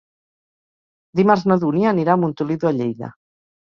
Dimarts na Dúnia anirà a Montoliu de Lleida.